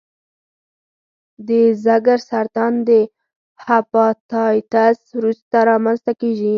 د ځګر سرطان د هپاتایتس وروسته رامنځته کېږي.